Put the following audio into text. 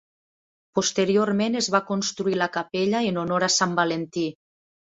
Posteriorment es va construir la capella en honor a Sant Valentí.